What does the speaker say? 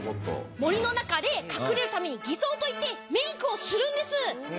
森の中で隠れるために擬装といってメイクをするんです。